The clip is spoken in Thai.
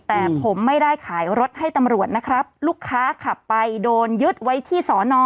แต่ผมไม่ได้ขายรถให้ตำรวจนะครับลูกค้าขับไปโดนยึดไว้ที่สอนอ